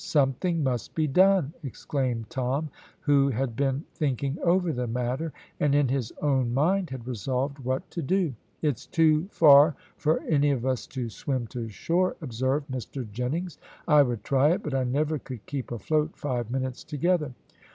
"Something must be done!" exclaimed Tom, who had been thinking over the matter, and in his own mind had resolved what to do. "It's too far for any of us to swim to shore," observed Mr Jennings; "I would try it, but I never could keep afloat five minutes together."